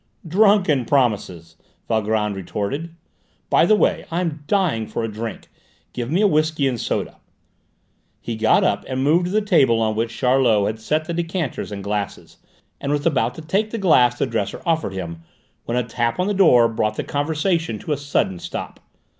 "Drunken promises!" Valgrand retorted. "By the way, I am dying for a drink. Give me a whisky and soda." He got up and moved to the table on which Charlot had set decanters and glasses, and was about to take the glass the dresser offered him when a tap on the door brought the conversation to a sudden stop.